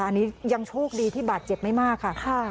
อันนี้ยังโชคดีที่บาดเจ็บไม่มากค่ะ